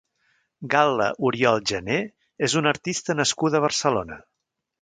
Gal·la Oriol Jané és una artista nascuda a Barcelona.